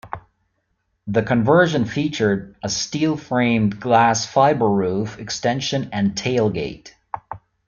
The conversion featured a steel-framed glass fibre roof extension and tailgate.